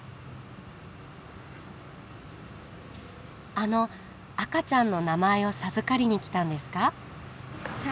あの赤ちゃんの名前を授かりに来たんですか？